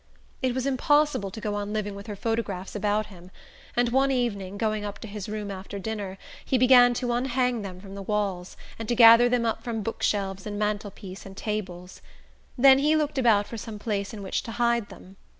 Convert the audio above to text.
It was impossible to go on living with her photographs about him; and one evening, going up to his room after dinner, he began to unhang them from the walls, and to gather them up from book shelves and mantel piece and tables. Then he looked about for some place in which to hide them.